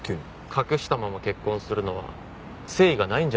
隠したまま結婚するのは誠意がないんじゃないですかね？